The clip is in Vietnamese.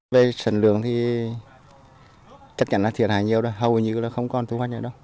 về sản lượng thì chắc chắn là thiệt hại nhiều hầu như là không còn thu hoạch nữa đâu